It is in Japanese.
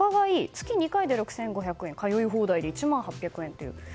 月２回で６５００円通い放題で１万８００円と。